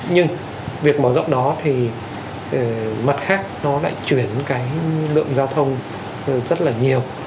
nhưng việc mở rộng đó thì mặt khác nó lại chuyển cái lượng giao thông rất là nhiều